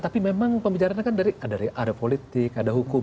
tapi memang pembicaraannya kan dari ada politik ada hukum